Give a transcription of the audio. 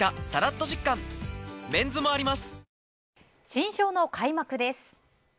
新章の開幕です。